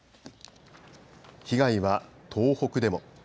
被害は東北でも。